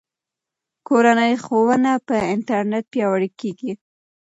کورنۍ ښوونه په انټرنیټ پیاوړې کیږي.